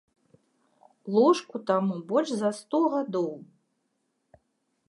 Ложку таму больш за сто гадоў.